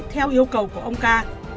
theo yêu cầu của ông ca